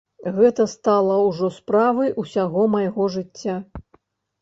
Гэта стала ўжо справай усяго майго жыцця.